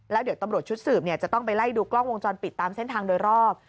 แล้วเดี๋ยวตำรวจชุดสืบจะต้องไปไล่ดูกล้องวงจรปิดตามเส้นทางโดยรอบ